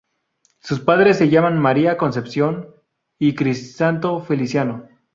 Sus padres se llamaban María Concepción y Crisanto Feliciano.